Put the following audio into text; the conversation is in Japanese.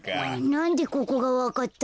なんでここがわかったの？